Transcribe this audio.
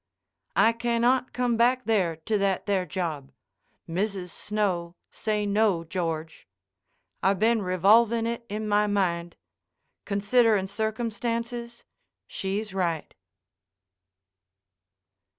"I cannot come back there to that there job. Mrs. Snow say no, George. I been revolvin' it in my mind; considerin' circumstances she's right."